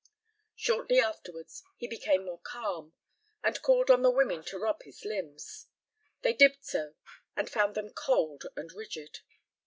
Shortly afterwards he became more calm, and called on the women to rub his limbs. They did so, and found them cold and rigid.